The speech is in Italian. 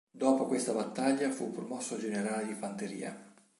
Dopo questa battaglia fu promosso generale di fanteria.